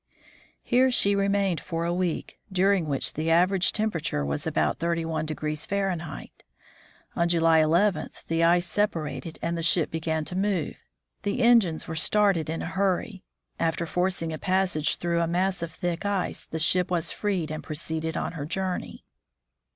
Here she remained for a week, during which the aver age temperature was about 31 F. On July 11, the ice separated and the ship began to move. The engines were started in a hurry. After forcing a passage through a mass of thick ice, the ship was freed and proceeded on her journey.